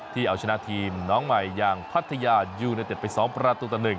ที่เอาชนะทีมน้องใหม่อย่างพัทยายูเนเต็ดไป๒ประตูต่อ๑